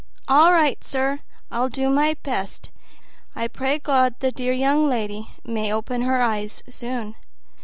"All right, sir, I'll do my best, and I pray God the dear young lady may open her eyes soon."